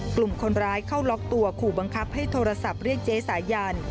กลุ่มคนร้ายเข้าล็อกตัวขู่บังคับให้โทรศัพท์เรียกเจ๊สายัน